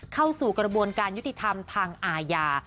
เข้าสู่กระบวนการยุติธรรมทางอาญา